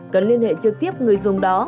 cần liên hệ trực tiếp người dùng đó